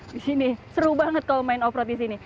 disini seru banget kalau main off road disini